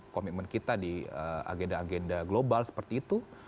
komitmen kita di agenda agenda global seperti itu